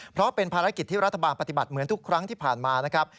เพราะเป็นภารกิจที่รัฐบาลปฏิบัติเหมือนทุกครั้งที่ผ่านมานะครับ